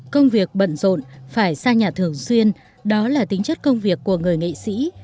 công việc bận rộn phải sang nhà thường xuyên đó là tính chất công việc của người nghệ sĩ